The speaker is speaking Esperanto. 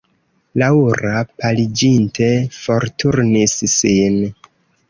Laŭra, paliĝinte, forturnis sin.